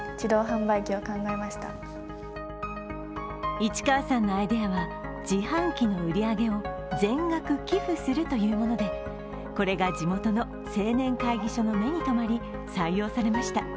市川さんのアイデアは自販機の売り上げを全額寄付するというものでこれが地元の青年会議所の目にとまり、採用されました。